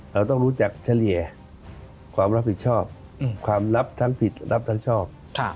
เราต้องรู้จักเฉลี่ยความรับผิดชอบความลับทั้งผิดรับทั้งชอบ